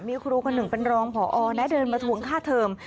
มีครูคนหนึ่งเป็นรองพอนะเดินมาทวงค่าเทอม